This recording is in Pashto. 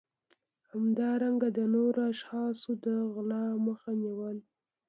همدارنګه د نورو اشخاصو د غلا مخه نیول